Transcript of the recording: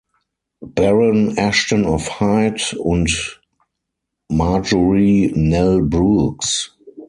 Baron Ashton of Hyde, und Marjorie Nell Brookes.